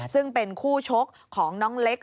ซึ่งเป็นคู่ชกของน้องเล็ก